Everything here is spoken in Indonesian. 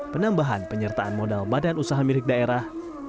penambahan penyertaan modal badan usaha milik daerah